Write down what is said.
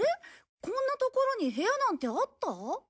こんな所に部屋なんてあった？